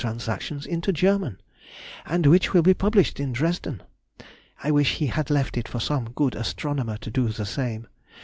Trans. into German, and which will be published in Dresden. I wish he had left it for some good astronomer to do the same.